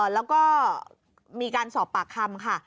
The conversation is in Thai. แล้วก็มีการสอบปากคำค่ะ